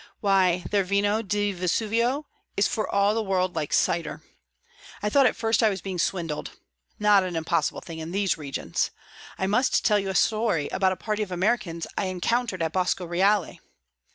Why, their vino di Vesuvio is for all the world like cider; I thought at first I was being swindled not an impossible thing in these regions. I must tell you a story about a party of Americans I encountered at Bosco Reale."